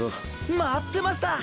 待ってました！